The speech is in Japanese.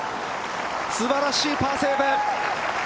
素晴らしいパーセーブ。